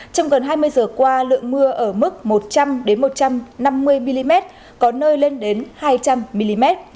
trong gần hai mươi giờ qua lượng mưa ở mức một trăm linh một trăm năm mươi mm có nơi lên đến hai trăm linh mm